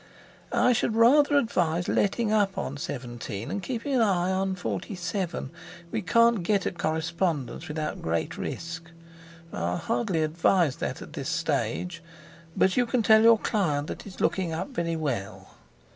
I should rather advise letting up on 17, and keeping an eye on 47. We can't get at correspondence without great risk. I hardly advise that at this stage. But you can tell your client that it's looking up very well."